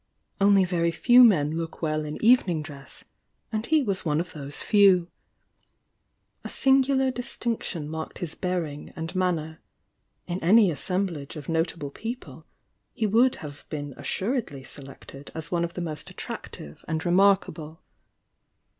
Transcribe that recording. Only very few men look well in evening dress, and he was one of those few. A singular distinction marked hk bearing and manner; in any assemblage of notable people he would have been assuredly se lected as one of the most attractive and remarkable.